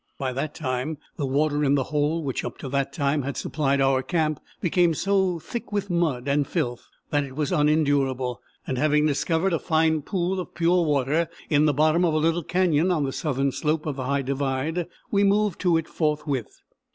By that time the water in the hole, which up to that time had supplied our camp, became so thick with mud and filth that it was unendurable; and having discovered a fine pool of pure water in the bottom of a little cañon on the southern slope of the High Divide we moved to it forthwith.